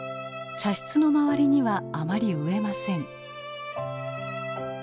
茶室の周りにはあまり植えません。